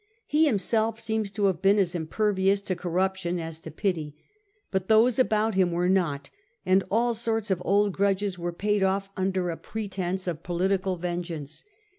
He himself seems to have been as impervious to corruption as to pity, but those about him were not, and all sorts of old grudges were paid off under a pretence of political vengeance.